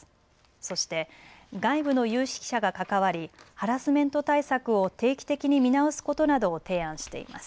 そして外部の有識者が関わりハラスメント対策を定期的に見直すことなどを提案しています。